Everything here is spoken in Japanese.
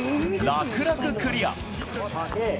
楽々クリア。